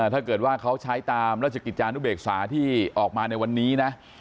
ถ้าเกิดว่าเขาใช้ตามราชกิจจานุเบกษาที่ออกมาในวันนี้นะ